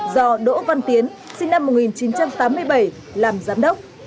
do đỗ văn tiến sinh năm một nghìn chín trăm tám mươi bảy làm giám đốc